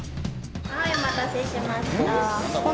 はいお待たせしました。